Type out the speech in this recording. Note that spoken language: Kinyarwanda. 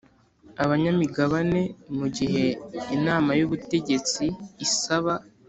abanyamigabane Mu gihe Inama y Ubutegetsi isaba